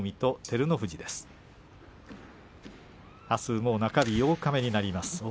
あす、もう中日八日目になります